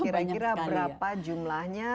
kira kira berapa jumlahnya